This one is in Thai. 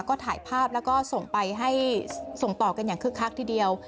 ก็ถ่ายภาพแล้วก็ส่งไปให้ส่งต่อกันอย่างคึกคักทีเดียว